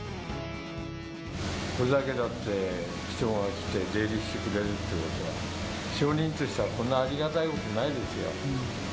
これだけだって、人が来て、出入りしてくれるってことは、商人としてはこんなありがたいことはないですよ。